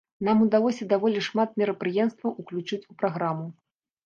Нам удалося даволі шмат мерапрыемстваў уключыць у праграму.